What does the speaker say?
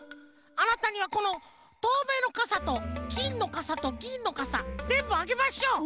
あなたにはこのとうめいのかさときんのかさとぎんのかさぜんぶあげましょう！